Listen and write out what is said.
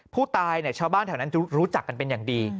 ผู้ตายเนี่ยชาวบ้านแถวนั้นรู้จักกันเป็นอย่างดี